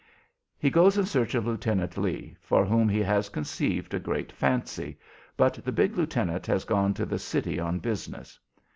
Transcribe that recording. He goes in search of Lieutenant Lee, for whom he has conceived a great fancy, but the big lieutenant has gone to the city on business.